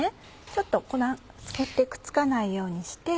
ちょっと粉振ってくっつかないようにして。